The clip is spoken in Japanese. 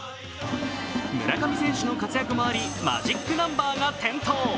村上選手の活躍もありマジックナンバーが点灯。